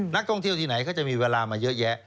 นักท่องเที่ยวที่ไหนเขาจะมีเวลามาเยอะแยะ